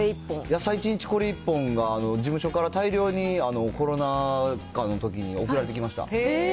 野菜一日これ一本が、事務所から大量にコロナ禍のときに送られてきました。